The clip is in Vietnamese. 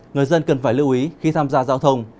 người dân cần phải lưu ý khi tham gia giao thông